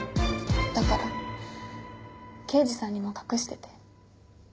だから刑事さんにも隠してて。